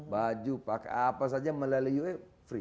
baju pakai apa saja melalui ue free